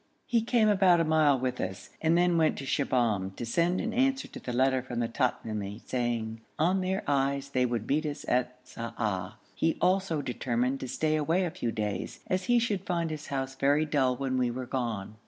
He came about a mile with us, and then went to Shibahm, to send an answer to the letter from the Tamimi, saying, 'On their eyes they would meet us at Sa'ah.' He also determined to stay away a few days, as he should find his house very dull when we were gone.